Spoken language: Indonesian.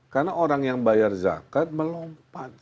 karena orang yang bayar zakat melompat